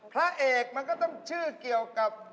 พระเอกมันก็ต้องชื่อเกี่ยวกับ